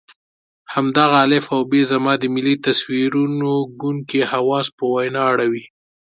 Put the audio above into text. همدغه الف او ب زما د ملي تصویرونو ګونګي حواس په وینا اړوي.